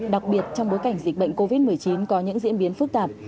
đặc biệt trong bối cảnh dịch bệnh covid một mươi chín có những diễn biến phức tạp